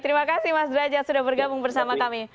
terima kasih mas derajat sudah bergabung bersama kami